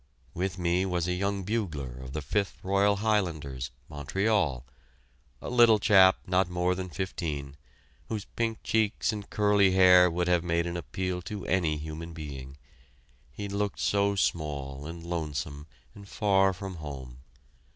With me was a young bugler of the Fifth Royal Highlanders, Montreal, a little chap not more than fifteen, whose pink cheeks and curly hair would have made an appeal to any human being: he looked so small and lonesome and far from home.